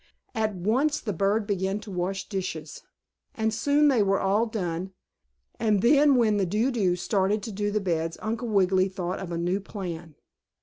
At once the bird began to wash dishes, and soon they were all done, and then when the Do do started to do the beds Uncle Wiggily thought of a new plan.